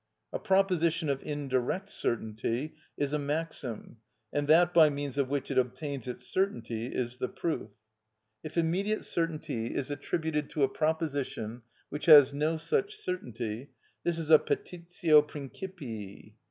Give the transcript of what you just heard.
A proposition of indirect certainty is a maxim, and that by means of which it obtains its certainty is the proof. If immediate certainty is attributed to a proposition which has no such certainty, this is a petitio principii.